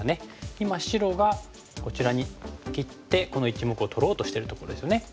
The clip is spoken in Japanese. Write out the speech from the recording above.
今白がこちらに切ってこの１目を取ろうとしてるところですね。